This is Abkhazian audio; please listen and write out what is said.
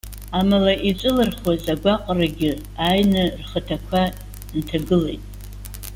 Амала иҵәылырхуаз агәаҟрагьы ааины рхаҭақәа нҭагылеит!